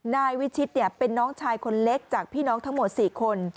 นายวิชิตเป็นน้องชายคนเล็กจากพี่น้องทั้งหมด๔คน